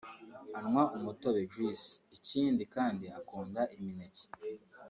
anywa umutobe (Juice) ikindi kandi akunda imineke